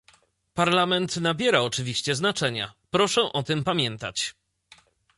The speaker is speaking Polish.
Parlament nabiera oczywiście znaczenia, proszę o tym pamiętać